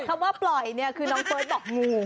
คำว่าปล่อยเนี่ยคือน้องเฟิร์สบอกงู